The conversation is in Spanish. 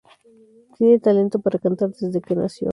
Tiene talento para cantar desde que nació.